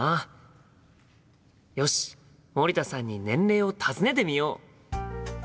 よし森田さんに年齢を尋ねてみよう！